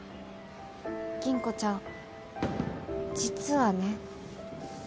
吟子ちゃん実はね。